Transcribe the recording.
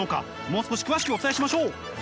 もう少し詳しくお伝えしましょう。